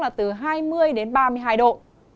là từ hai mươi đến ba mươi hai độ